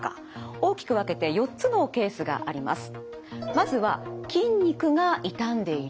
大きく分けて４つのケースがあります。